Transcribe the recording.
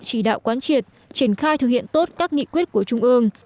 chỉ đạo quán triệt triển khai thực hiện tốt các nghị quyết của trung ương